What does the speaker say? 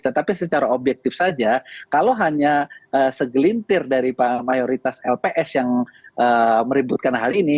tetapi secara objektif saja kalau hanya segelintir dari mayoritas lps yang meributkan hal ini